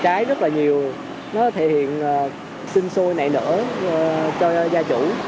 trái rất là nhiều nó thể hiện sinh sôi nảy nở cho gia chủ